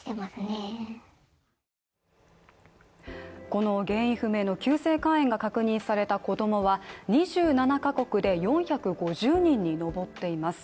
この原因不明の急性肝炎が確認された子供は２７カ国で４５０人に上っています。